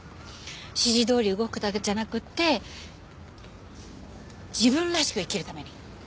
指示どおり動くだけじゃなくて自分らしく生きるために。